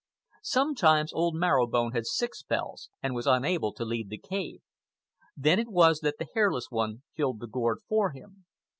Sometimes old Marrow Bone had sick spells and was unable to leave the cave. Then it was that the Hairless One filled the gourd for him.